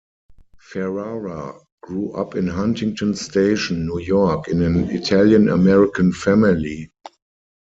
Ferrara grew up in Huntington Station, New York in an Italian-American family.